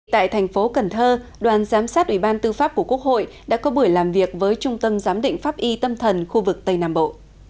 tại thành phố cần thơ đoàn giám sát ủy ban tư pháp của quốc hội đã có buổi làm việc với trung tâm giám định pháp y tâm thần khu vực tây nam bộ